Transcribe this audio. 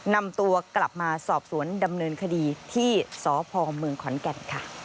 นำตัวกลับมาสอบสวนดำเนินคดีที่สพเมืองขอนแก่นค่ะ